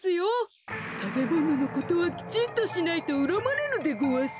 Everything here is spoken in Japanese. たべもののことはきちんとしないとうらまれるでごわす。